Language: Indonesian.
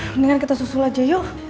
mendingan kita susul aja yuk